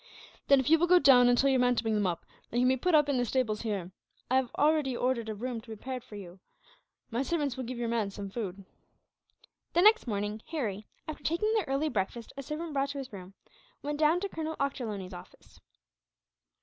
"Then if you will go down, and tell your man to bring them up, they can be put up in the stables here. I have already ordered a room to be prepared for you. My servants will give your man some food." The next morning Harry, after taking the early breakfast a servant brought to his room, went down to Colonel Ochterlony's office.